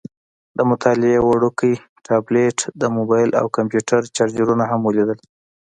د مطالعې وړوکی ټابلیټ، د موبایل او کمپیوټر چارجرونه هم ولیدل.